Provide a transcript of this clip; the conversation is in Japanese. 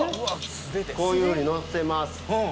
こういうふうにのせます。